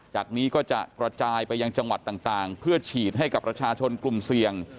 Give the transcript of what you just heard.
จากนี้ก็จะกระจายไปยังจังหวัดต่างเพื่อฉีดให้กับประชาชนกลุ่มเสี่ยง